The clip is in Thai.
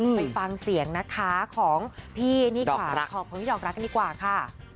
ไปฟังเสียงนะคะของพี่นี่ค่ะขอบคุณพี่ดอกรักกันดีกว่าค่ะ